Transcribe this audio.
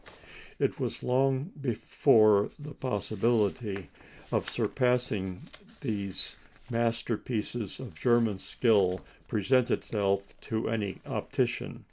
It was long before the possibility of surpassing these masterpieces of German skill presented itself to any optician.